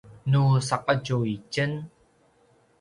nu saqetju itjen